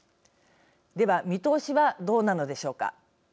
では、見通しはどうなのでしょうか。